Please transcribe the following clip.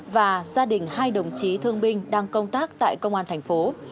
và gia đình hai đồng chí thương binh đang công tác tại công an thành phố